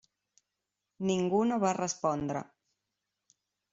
Ningú no va respondre.